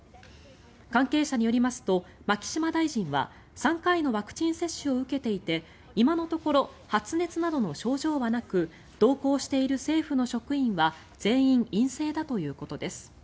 関係者によりますと牧島大臣は３回のワクチン接種を受けていて今のところ発熱などの症状はなく同行している政府の職員は全員、陰性だということです。